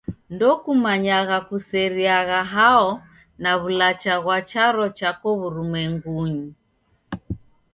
Ndokumanyagha kuseriagha hao na w'ulacha ghwa charo chako w'urumwengunyi.